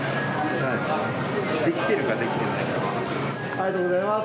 ありがとうございます。